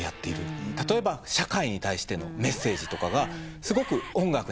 例えば社会に対してのメッセージとかがすごく音楽にあふれている。